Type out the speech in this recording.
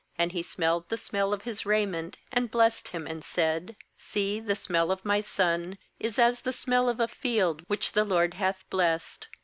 And he smelled the smell of his raiment, and blessed him, and said: See, the smell of my son Is as the smell of a field which the LORD hath blessed.